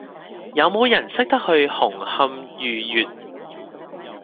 有無人識得去紅磡御悅